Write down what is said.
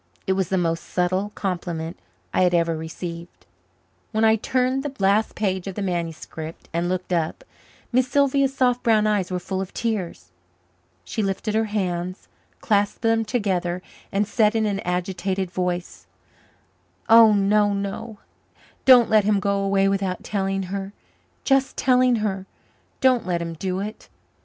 It was the most subtle compliment I had ever received. When I turned the last page of the manuscript and looked up, Miss Sylvia's soft brown eyes were full of tears. She lifted her hands, clasped them together and said in an agitated voice: "Oh, no, no; don't let him go away without telling her just telling her. Don't let him do it!"